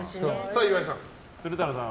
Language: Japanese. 岩井さん。